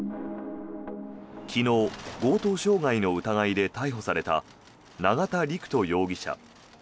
昨日強盗傷害の疑いで逮捕された永田陸人容疑者。